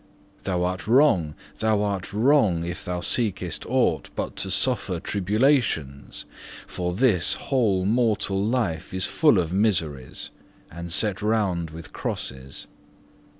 Thou art wrong, thou art wrong, if thou seekest aught but to suffer tribulations, for this whole mortal life is full of miseries, and set round with crosses.